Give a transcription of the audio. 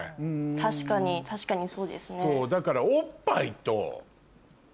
確かに確かにそうですね。